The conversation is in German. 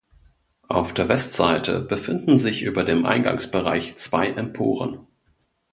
Auf der Westseite befinden sich über dem Eingangsbereich zwei Emporen.